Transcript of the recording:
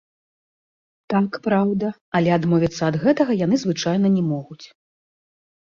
Так, праўда, але адмовіцца ад гэтага яны звычайна не могуць.